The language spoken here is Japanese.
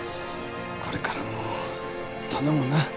これからも頼むな。